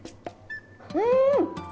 うん！